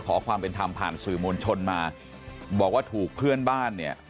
ขอความเป็นธรรมผ่านสื่อมวลชนมาบอกว่าถูกเพื่อนบ้านเนี่ย